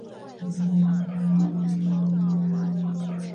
霍亨波尔丁格是德国巴伐利亚州的一个市镇。